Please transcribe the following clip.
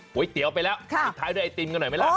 ก๋วยเตี๋ยวไปแล้วปิดท้ายด้วยไอติมกันหน่อยไหมล่ะ